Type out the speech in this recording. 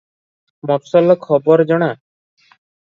ମଫସଲର ଖବର ଜଣା ।